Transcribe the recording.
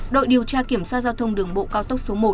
đội điều tra kiểm soát giao thông đường bộ cao tốc số một